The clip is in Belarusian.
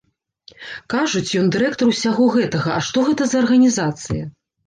Кажуць, ён дырэктар усяго гэтага, а што гэта за арганізацыя?